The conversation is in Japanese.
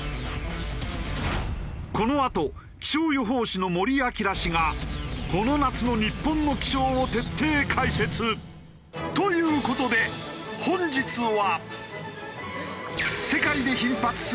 このあと気象予報士の森朗氏がこの夏の日本の気象を徹底解説。という事で本日は。